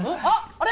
あれ？